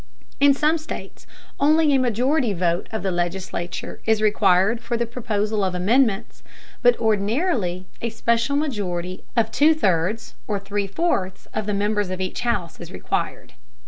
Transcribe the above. In some states only a majority vote of the legislature is required for the proposal of amendments, but ordinarily a special majority of two thirds or three fourths of the members of each house is required.